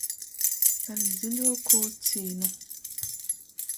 Ar dziļuokū cīnu